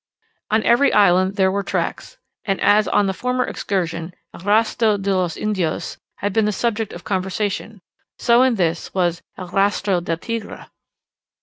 On every island there were tracks; and as on the former excursion "el rastro de los Indios" had been the subject of conversation, so in this was "el rastro del tigre."